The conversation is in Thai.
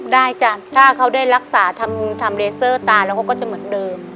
จ้ะถ้าเขาได้รักษาทำเลเซอร์ตาแล้วเขาก็จะเหมือนเดิม